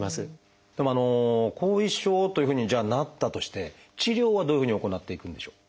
でも後遺症というふうにじゃあなったとして治療はどういうふうに行っていくんでしょう？